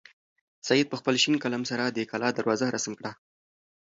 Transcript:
سعید په خپل شین قلم سره د کلا دروازه رسم کړه.